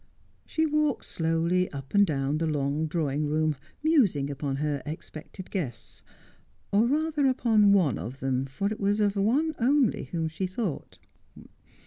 She walked slowly up and down the long drawing room, musing upon her expected guests — or rather upon one of them, for it was of one only whom she thought.